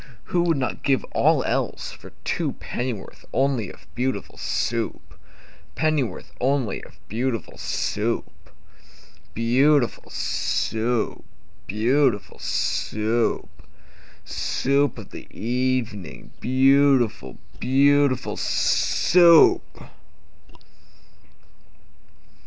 Who would not give all else for two Pennyworth only of Beautiful Soup? Pennyworth only of beautiful Soup? Beau ootiful Soo oop! Beau ootiful Soo oop! Soo oop of the e e evening, Beautiful, beauti FUL SOUP!